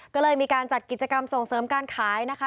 ก็เลยมีการจัดกิจกรรมส่งเสริมการขายนะคะ